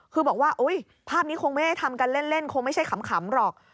คือบอกว่าภาพนี้คงไม่ได้ทำกันเล่นคงไม่ใช่ขำหรอก